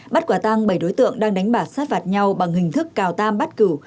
bắt quả tăng bảy đối tượng đang đánh bạc sát phạt nhau bằng hình thức cào tam bắt cửu